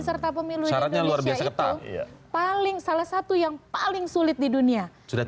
saat pemilih legislatifnya